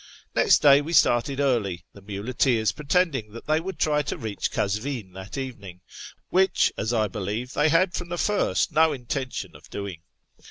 Next day we started early, the muleteers pretending that they would try to reach Kazvin that evening, which, as I believe, they had from the first no intention of doing.